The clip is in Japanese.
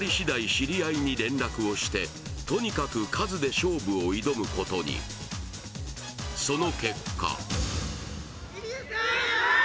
知り合いに連絡をしてとにかく数で勝負を挑むことにその結果入江さん！